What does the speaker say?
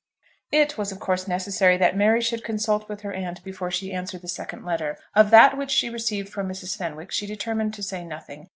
It was of course necessary that Mary should consult with her aunt before she answered the second letter. Of that which she received from Mrs. Fenwick she determined to say nothing.